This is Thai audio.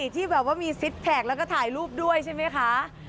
ที่แบบว่ามีซิกแพคแล้วก็ถ่ายรูปด้วยใช่ไหมคะ